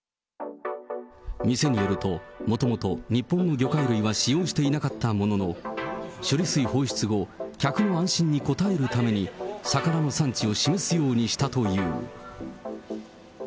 店によると、もともと日本の魚介類は使用していなかったものの、処理水放出後、客の安心に応えるために、魚の産地を示すようにしたという。